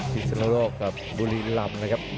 ที่สุนโลกครับดูลีนลำนะครับ